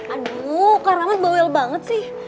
aduh karena banget bawel banget sih